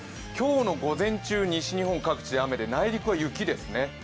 今日の午前中、西日本各地で内陸は雪ですね。